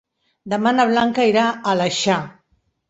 Demà na Blanca irà a l'Aleixar.